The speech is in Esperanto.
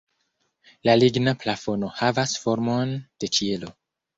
La ligna plafono havas formon de ĉielo.